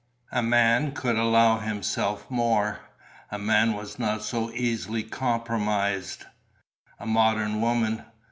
A man could allow himself more. A man was not so easily compromised.... A modern woman.